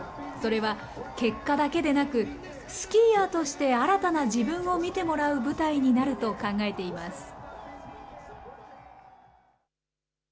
それは、結果だけでなく、スキーヤーとして新たな自分を見てもらう舞台になると考えています。